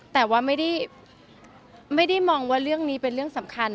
แต่ว่าไม่ได้มองว่าเรื่องนี้เป็นเรื่องสำคัญ